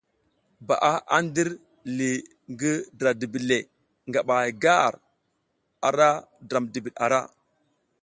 Ba a ndir li ngi dra dibiɗ le, ngaba hay gar ara dra dibiɗ ara.